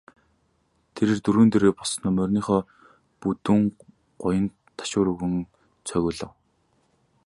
Тэрээр дөрөөн дээрээ боссоноо мориныхоо бүдүүн гуянд ташуур өгөн цогиулав.